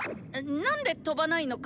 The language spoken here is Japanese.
「何で飛ばないのか」